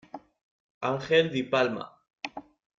Ángel Di Palma.